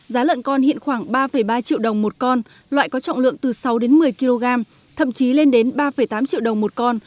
giá lợn con hiện khoảng ba ba triệu đồng một con loại có trọng lượng từ sáu đến một mươi kg thậm chí lên đến ba tám triệu đồng một con